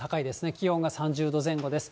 気温が３０度前後です。